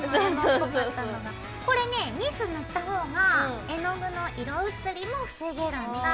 これねニス塗った方が絵の具の色移りも防げるんだ。